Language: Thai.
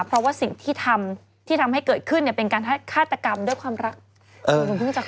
เพราะว่าสิ่งที่ทำที่ทำให้เกิดขึ้นเนี่ยเป็นการฆาตกรรมด้วยความรัก